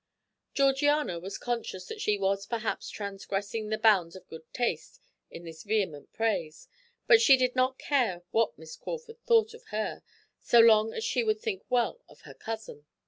Georgiana was conscious that she was perhaps transgressing the bounds of good taste in this vehement praise; but she did not care what Miss Crawford thought of her, so long as she would think well of her cousin.